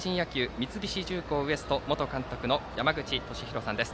三菱重工Ｗｅｓｔ元監督山口敏弘さんです。